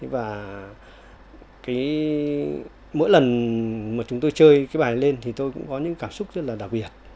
và mỗi lần mà chúng tôi chơi cái bài lên thì tôi cũng có những cảm xúc rất là đặc biệt